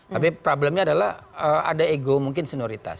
tapi problemnya adalah ada ego mungkin senioritas